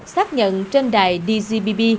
xác nhận trên đài dgpb